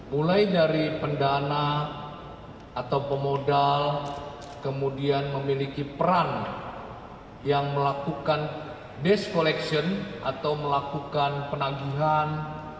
mulai dari pendana atau pemodal kemudian memiliki peran yang melakukan desk collection atau melakukan penagihan